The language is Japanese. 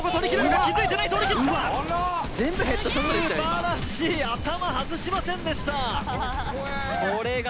すばらしい頭外しませんでした！